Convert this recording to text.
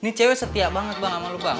ini cewek setia banget bang sama lu bang